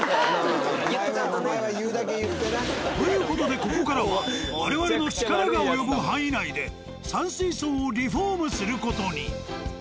という事でここからは我々の力が及ぶ範囲内で「山水荘」をリフォームする事に。